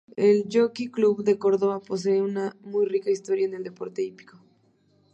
El Jockey Club de Córdoba posee una muy rica historia en el deporte hípico.